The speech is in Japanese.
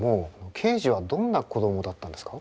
ケージはどんな子供だったんですか？